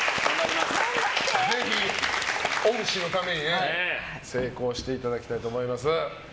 ぜひ恩師のために成功していただきたいと思います。